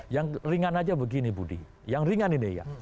yang ringan aja begini budi yang ringan ini ya